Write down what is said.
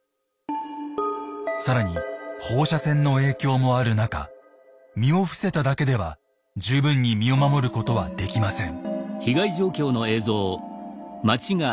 更に放射線の影響もある中身を伏せただけでは十分に身を守ることはできません。